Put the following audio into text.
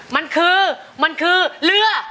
มันคือมันคือเรือ